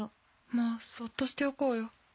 もうそっとしておこうよ。